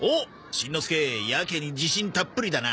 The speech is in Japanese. しんのすけやけに自信たっぷりだな。